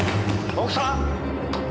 奥さん！